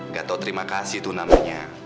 gak tau terima kasih tuh namanya